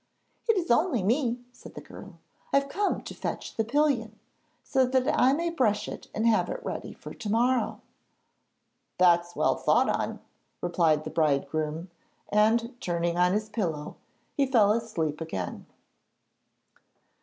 'It is only me,' said the girl; 'I've come to fetch the pillion, so that I may brush it and have it ready for to morrow.' 'That's well thought on,' replied the bridegroom; and, turning on his pillow, he fell asleep again.